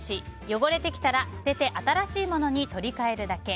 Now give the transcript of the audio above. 汚れてきたら捨てて新しいものに取り替えるだけ。